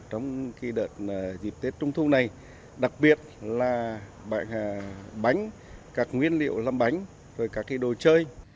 trong đợt dịp tết trung thu này đặc biệt là bánh các nguyên liệu làm bánh các đồ chơi